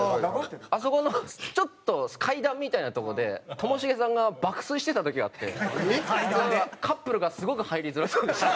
あそこのちょっと階段みたいなとこでともしげさんが爆睡してた時があってカップルがすごく入りづらそうでした。